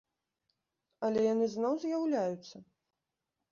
Але яны зноў з'яўляюцца!